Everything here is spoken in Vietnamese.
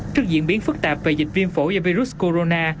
trước diễn biến phức tạp về dịch viêm phổ và virus corona